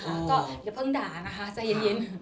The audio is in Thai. ก็อย่าเพิ่งด่านะคะใจเย็น